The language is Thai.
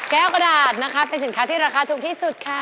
กระดาษนะคะเป็นสินค้าที่ราคาถูกที่สุดค่ะ